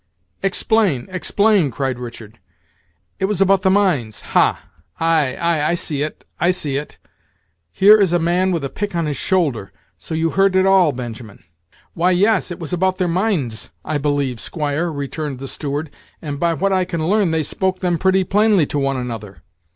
"Explain! explain!" cried Richard; "it was about the mines, ha! Ay, ay, I see it, I see it; here is a man with a pick on his shoulder. So you heard it all, Benjamin?" "Why, yes, it was about their minds, I believe, squire," returned the steward; "and, by what I can learn, they spoke them pretty plainly to one another.